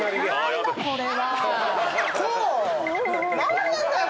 何なんだよ！